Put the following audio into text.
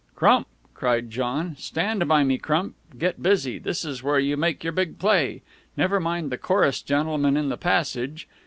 "Crump!" cried John. "Stand by me, Crump! Get busy! This is where you make your big play. Never mind the chorus gentlemen in the passage.